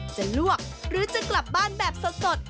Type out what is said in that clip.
จะลวกหรือจะกลับบ้านแบบสด